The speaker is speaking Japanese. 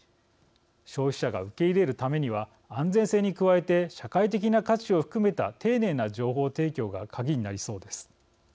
消費者が受け入れるためには安全性に加えて社会的な価値を含めた丁寧な情報提供が鍵になりそうです。